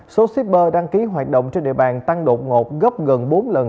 số shipper đăng ký hoạt động trên địa bàn tăng đột ngột gấp gần bốn lần